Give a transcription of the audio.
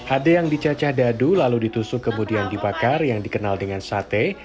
ada yang dicacah dadu lalu ditusuk kemudian dibakar yang dikenal dengan sate